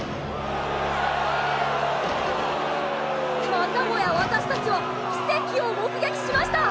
またもや私達は奇跡を目撃しました！